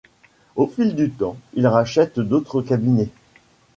Au fil du temps, il rachète d’autres cabinets.